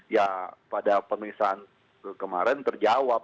ya pada pemeriksaan kemarin terjawab